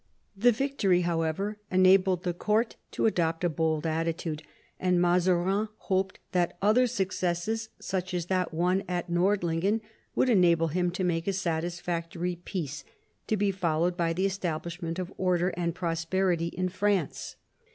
The victory, however, enabled the court to adopt a bold attitude, and Mazarin hoped that other successes such as that won at Nordlingen would enable him to make a satisfactory peace, to be followed by the establishment of order and prosperity in France.